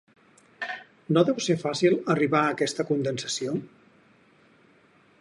No deu ser fàcil arribar a aquesta condensació?